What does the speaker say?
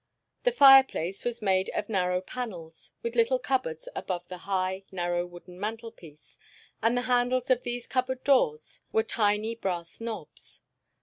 The fireplace was made of narrow panels, with little cupboards above the high, narrow, wooden mantelpiece, and the handles of these cupboard doors were tiny brass knobs.